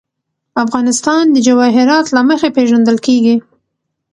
افغانستان د جواهرات له مخې پېژندل کېږي.